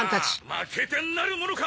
まけてなるものか！